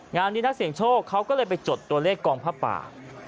งานนี้นักเสี่ยงโชคเขาก็เลยไปจดตัวเลขกองผ้าป่า